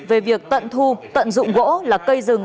về việc tận thu tận dụng gỗ là cây rừng